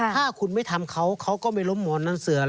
ถ้าคุณไม่ทำเขาเขาก็ไม่ล้มหมอนนั้นเสือ